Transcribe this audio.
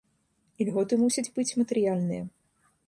Ільготы мусяць быць матэрыяльныя.